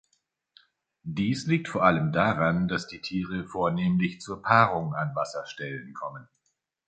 Dies liegt vor allem daran, dass die Tiere vornehmlich zur Paarung an Wasserstellen kommen.